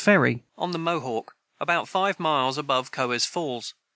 [Footnote 21: On the Mohawk, about five miles above Cohoes Falls.